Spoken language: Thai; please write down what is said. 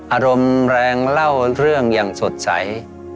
อารมณ์แรงเล่าเรื่องอย่างสดใส